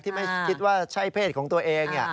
ไม่คิดว่าใช่เพศของตัวเอง